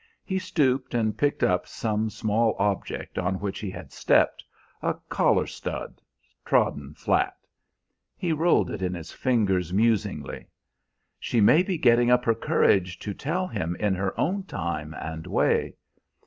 He stooped and picked up some small object on which he had stepped, a collar stud trodden flat. He rolled it in his fingers musingly. "She may be getting up her courage to tell him in her own time and way."